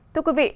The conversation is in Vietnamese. thưa quý vị